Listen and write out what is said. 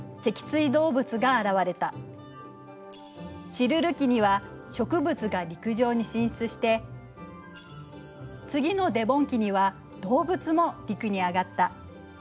シルル紀には植物が陸上に進出して次のデボン紀には動物も陸に上がった。